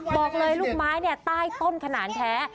บอกเลยลูกไม้ใต้ต้นขนาดแท้